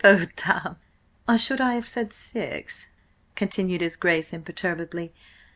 Oh, damme!" "Or should I have said six?" continued his Grace imperturbably.